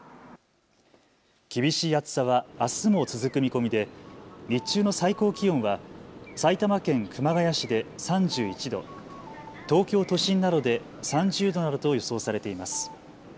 厳しい暑さはあすも続く見込みで日中の最高気温は埼玉県熊谷市で３１度、東京都心などで３０度などと予想されています。